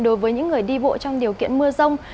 đối với những người đi bộ trong điều kiện mưa rông